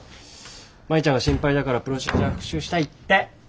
舞ちゃんが心配だからプロシージャー復習したいって。